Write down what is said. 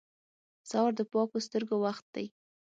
سهار د پاکو سترګو وخت دی.